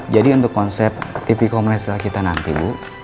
jadi untuk konsep tv komersial kita nanti bu